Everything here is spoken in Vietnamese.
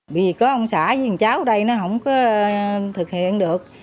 bởi vì có ông xã với cháu ở đây nó không thực hiện được